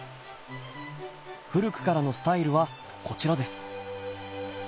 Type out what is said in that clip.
古くからのスタイルはこちらです。